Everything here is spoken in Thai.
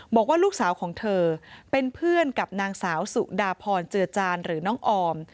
บอกว่าลูกสาวของเธอเป็นเพื่อนกับนางสาวสุดาพรเจือจานหรือน้องออม